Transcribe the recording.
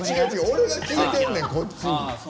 俺が聞いてんねん、こっち。